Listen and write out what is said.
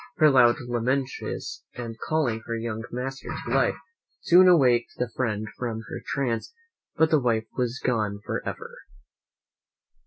Her loud lamentations, and calling her young master to life, soon awaked the friend from her trance, but the wife was gone for ever.